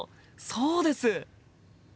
そうです！